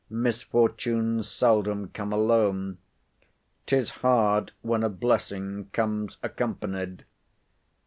Misfortunes seldom come alone. 'Tis hard when a blessing comes accompanied.